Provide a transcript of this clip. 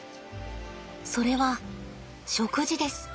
それは食事です。